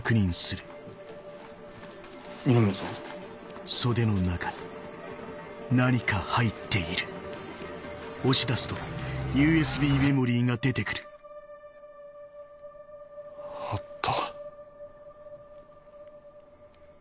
二宮さん？あった。